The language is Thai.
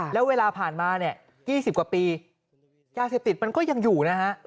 แล้วเวลาผ่านมาเนี่ย๒๐กว่าปียาเสพติดมันก็ยังอยู่นะฮะ